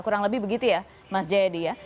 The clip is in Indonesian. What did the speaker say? kurang lebih begitu ya mas jayadi ya